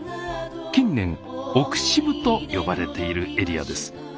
近年奥渋と呼ばれているエリアです。